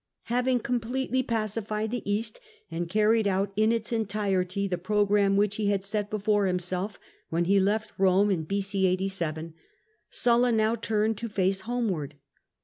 Having completely pacified the East, and carried out in its entirety the programme which he had set before himself when he left Eome in B.c. 87, Sulla now turned his face homeward.